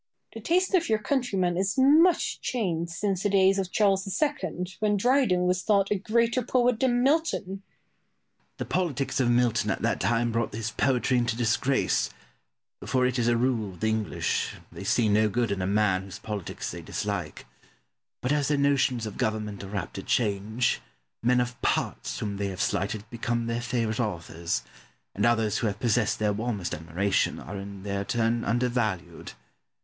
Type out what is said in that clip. Boileau. The taste of your countrymen is much changed since the days of Charles II., when Dryden was thought a greater poet than Milton! Pope. The politics of Milton at that time brought his poetry into disgrace, for it is a rule with the English, they see no good in a man whose politics they dislike; but, as their notions of government are apt to change, men of parts whom they have slighted become their favourite authors, and others who have possessed their warmest admiration are in their turn undervalued.